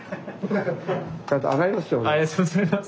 ありがとうございます。